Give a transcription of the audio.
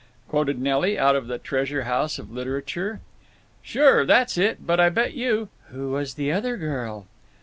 quoted Nelly, out of the treasure house of literature. "Sure. That's it. But I bet you—" "Who was the other girl?"